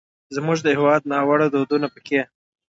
زموږ د هېواد ناوړه دودونه پکې